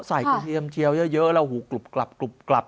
ใส่กระเทียมเชียวเยอะแล้วหูกรุบกรับ